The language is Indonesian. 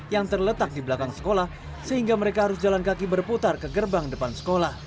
yang terletak di belakang sekolah sehingga mereka harus jalan kaki berputar ke gerbang depan sekolah